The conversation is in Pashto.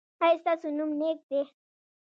ایا ستاسو نوم نیک دی؟